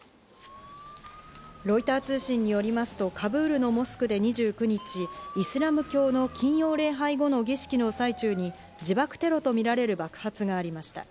ロイター通信によりますと、カブールのモスクで２９日、イスラム教の金曜礼拝後の儀式の最中に自爆テロとみられる爆発がありました。